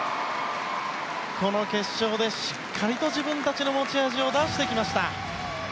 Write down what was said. この決勝でしっかりと自分たちの持ち味を出してきました。